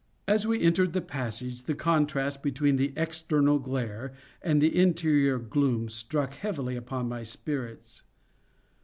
As we entered the passage, the contrast between the external glare and the interior gloom struck heavily upon my spirits.